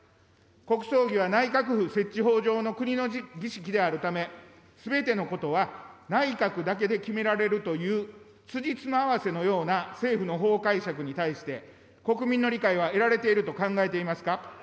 国葬儀は内閣府設置法上の国の儀式であるため、すべてのことは内閣だけで決められるというつじつま合わせのような政府の法解釈に対して、国民の理解は得られていると考えていますか。